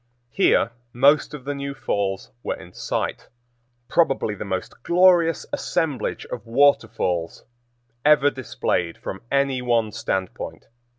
Here most of the new falls were in sight, probably the most glorious assemblage of waterfalls ever displayed from any one standpoint.